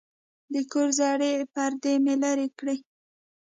د کور زړې پردې مې لرې کړې.